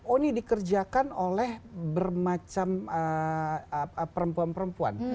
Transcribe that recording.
oh ini dikerjakan oleh bermacam perempuan perempuan